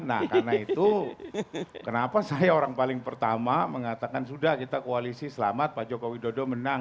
nah karena itu kenapa saya orang paling pertama mengatakan sudah kita koalisi selamat pak jokowi dodo menang